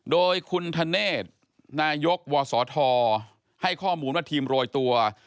โดยคุณธเนธนายกวศธให้ข้อมูลว่าทีมโรยตัว